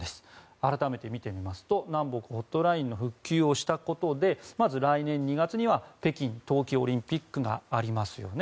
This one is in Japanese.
改めて見てみますと南北ホットラインの復旧をしたことでまず、来年２月には北京冬季オリンピックがありますよね